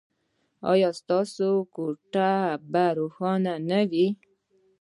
ایا ستاسو کوټه به روښانه نه وي؟